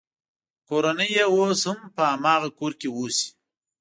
کورنۍ یې اوس هم په هماغه کور کې اوسي.